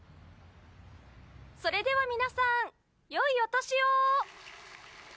「それでは皆さん良いお年を！」